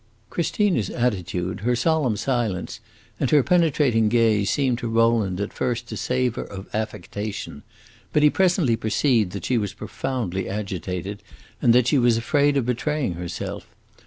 Christina's attitude, her solemn silence and her penetrating gaze seemed to Rowland, at first, to savor of affectation; but he presently perceived that she was profoundly agitated, and that she was afraid of betraying herself.